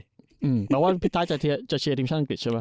หมายว่าพี่ท้ายจะเชียร์ทีมชาติอังกฤษใช่ไหม